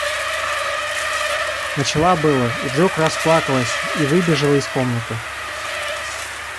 Начала было и вдруг расплакалась и выбежала из комнаты.